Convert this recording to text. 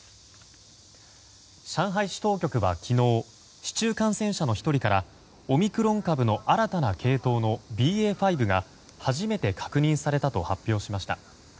上海市当局は、昨日市中感染者の１人からオミクロン株の新たな系統のＢＡ．５が初めて確認されたと発表しました。